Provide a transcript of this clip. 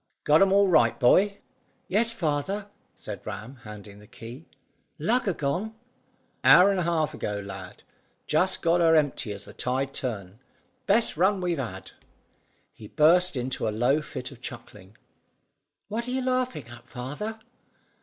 "Got 'em all right, boy?" "Yes, father," said Ram, handing the key. "Lugger gone?" "Hour and a half ago, lad; just got her empty as the tide turned. Best run we've had." He burst into a low fit of chuckling. "What are you laughing at, father?"